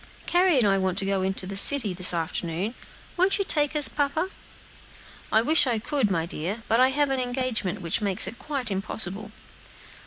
"Carry and I want to go to the city, this afternoon; won't you take us, papa?" "I wish I could, my dear, but I have an engagement, which makes it quite impossible."